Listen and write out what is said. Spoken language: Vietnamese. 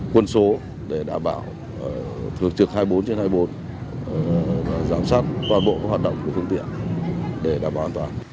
quân số để đảm bảo thường trực hai mươi bốn trên hai mươi bốn giám sát toàn bộ hoạt động của phương tiện để đảm bảo an toàn